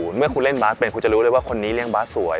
เมื่อคุณเล่นบาสเป็นคุณจะรู้เลยว่าคนนี้เลี้ยบาสสวย